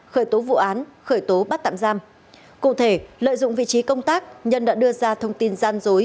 khởi tố vụ án khởi tố bắt tạm giam cụ thể lợi dụng vị trí công tác nhân đã đưa ra thông tin gian dối